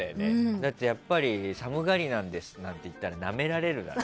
だって、寒がりなんですって言ったらなめられるからね。